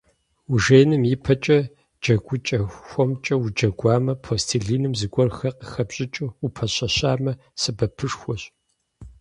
Ужеиным ипэкӀэ джэгукӀэ хуэмкӀэ уджэгуамэ, пластелиным зыгуэрхэр къыхэпщӀыкӀыу упэщэщамэ, сэбэпышхуэщ.